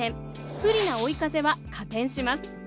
不利な追い風は加点します。